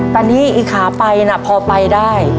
ตอนนี้อีกขาไปน่ะพอไปได้